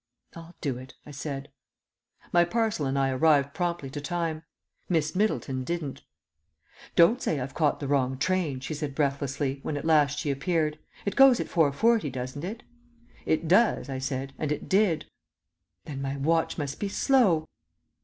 "I'll do it," I said. My parcel and I arrived promptly to time. Miss Middleton didn't. "Don't say I've caught the wrong train," she said breathlessly, when at last she appeared. "It does go at 4.40, doesn't it?" "It does," I said, "and it did." "Then my watch must be slow."